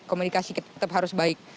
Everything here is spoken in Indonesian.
komunikasi tetap harus baik